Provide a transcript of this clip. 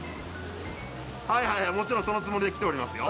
はいはい、もちろんそのつもりで来ておりますよ。